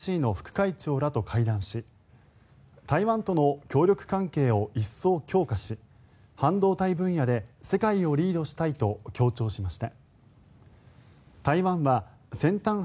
萩生田氏は先ほどＴＳＭＣの副会長らと会談し台湾との協力関係を一層強化し半導体分野で世界をリードしたいと強調しました。